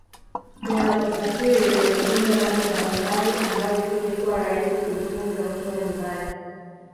Unaposafiri unajifunza mambo mbalimbali ambayo isingekuwa rahisi kujifunza ukiwa nyumbani